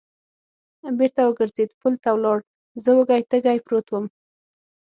بېرته و ګرځېد، پل ته ولاړ، زه وږی تږی پروت ووم.